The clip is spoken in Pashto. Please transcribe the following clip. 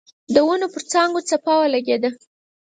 د ونو پر څانګو څپه ولګېده.